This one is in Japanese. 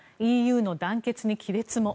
ＥＵの団結に亀裂も。